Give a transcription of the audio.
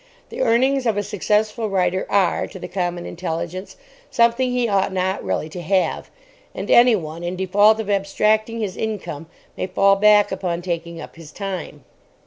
The earnings of a successful writer are, to the common intelligence, something he ought not really to have. And anyone, in default of abstracting his income, may fall back upon taking up his time.